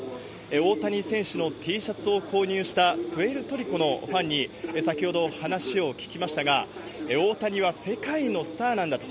大谷選手のＴシャツを購入したプエルトリコのファンに、先ほど話を聞きましたが、大谷は世界のスターなんだと。